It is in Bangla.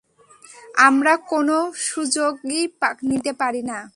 আমরা কোনও সুযোগই নিতে পারিনা।